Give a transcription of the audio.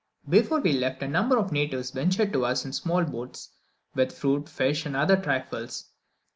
Before we left, a number of natives ventured to us in small boats with fruit, fish, and other trifles.